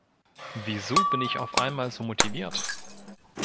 Wieso bin ich auf einmal so motiviert?